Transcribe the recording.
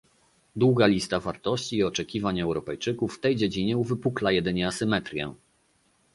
Długa lista wartości i oczekiwań Europejczyków w tej dziedzinie uwypukla jedynie asymetrię